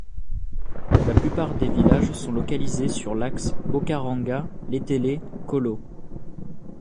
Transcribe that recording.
La plupart des villages sont localisés sur l’axe Bocaranga – Létélé - Kollo.